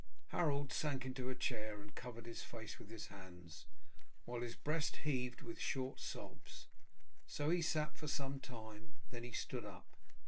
Harold sank into a chair and covered his face with his hands, while his breast heaved with short sobs. So he sat for some time; then he stood up.